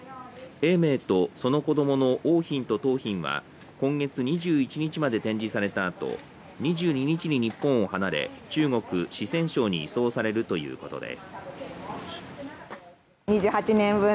永明とその子ども、桜浜と桃浜は今月２１日まで展示されたあと２２日に日本を離れ中国、四川省に移送されるということです。